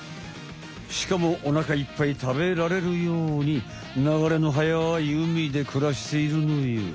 しかもおなかいっぱい食べられるように流れのはやい海で暮らしているのよ。